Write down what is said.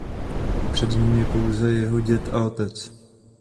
Před ním je pouze jeho děd a otec.